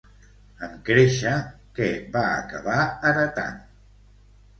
En créixer, què va acabar heretant?